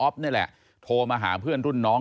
นี่แหละโทรมาหาเพื่อนรุ่นน้อง